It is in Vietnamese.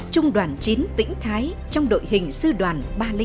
trung đoàn chín vĩnh thái trong đội hình sư đoàn ba trăm linh bốn